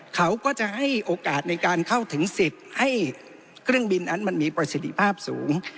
เขาก็จะให้โอกาสในการเข้าถึงสิทธิ์ให้เครื่องบินนั้นมันมีประสิทธิภาพสูง